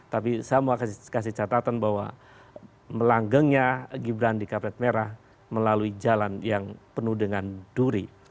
tapi saya mau kasih catatan bahwa melanggengnya gibran di kabinet merah melalui jalan yang penuh dengan duri